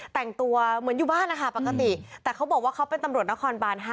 แต่งตัวเหมือนอยู่บ้านนะคะปกติแต่เขาบอกว่าเขาเป็นตำรวจนครบาน๕